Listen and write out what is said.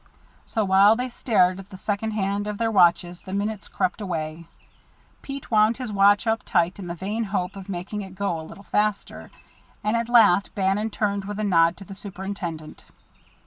So while they stared at the second hands of their watches the minutes crept away Pete wound his watch up tight in the vain hope of making it go a little faster and at last Bannon turned with a nod to the superintendent.